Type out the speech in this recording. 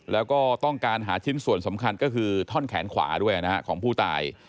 แล้วก็ต้องการหาชิ้นส่วนสำคัญก็คือท่อนแขนขวาด้วยนะฮะของผู้ตาย